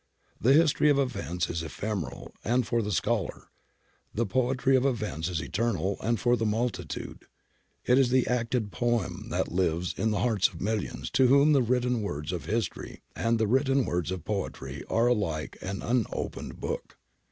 The history of events is ephemeral and for the scholar ; the poetry of events is eternal and for the multitude. It is the acted poem that lives in the hearts of millions to whom the written words of history and the written words of poetry are alike an unopened book.